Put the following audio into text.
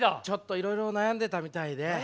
ちょっといろいろ悩んでたみたいで。